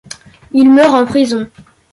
Il meurt en prison.